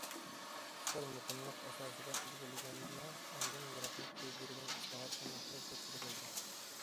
ئىشلار مۇقىملىق ئاساسىدا ئىلگىرىلىگەندىلا، ئاندىن يىراقنى كۆزلىگىلى، ئىسلاھاتتا مەقسەتكە يەتكىلى بولىدۇ.